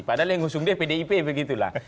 padahal yang ngusungnya pdip begitulah